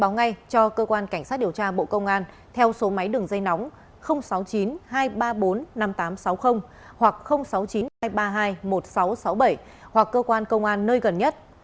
ngay cho cơ quan cảnh sát điều tra bộ công an theo số máy đường dây nóng sáu mươi chín hai trăm ba mươi bốn năm nghìn tám trăm sáu mươi hoặc sáu mươi chín hai trăm ba mươi hai một nghìn sáu trăm sáu mươi bảy hoặc cơ quan công an nơi gần nhất